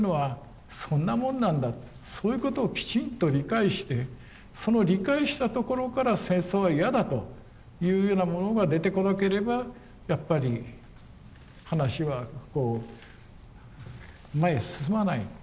そういうことをきちんと理解してその理解したところから戦争は嫌だというようなものが出てこなければやっぱり話はこう前へ進まない。